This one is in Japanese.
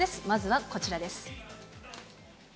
まずはこちらです。